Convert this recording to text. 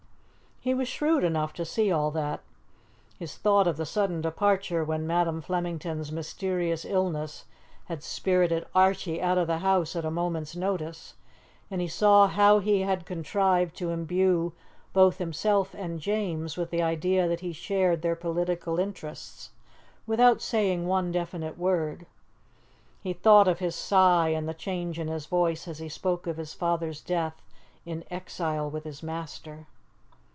He was shrewd enough to see all that. He thought of the sudden departure when Madam Flemington's mysterious illness had spirited Archie out of the house at a moment's notice, and he saw how he had contrived to imbue both himself and James with the idea that he shared their political interests, without saying one definite word; he thought of his sigh and the change in his voice as he spoke of his father's death "in exile with his master."